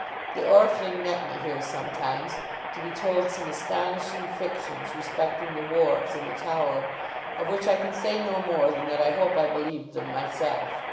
The Orfling met me here sometimes, to be told some astonishing fictions respecting the wharves and the Tower; of which I can say no more than that I hope I believed them myself.